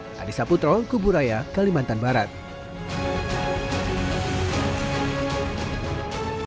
bisa dibantu tiga helikopter untuk waterbombing dan dua helikopter untuk patroli udara